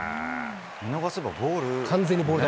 見逃せばボール。